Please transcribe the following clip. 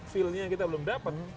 feelnya kita belum dapat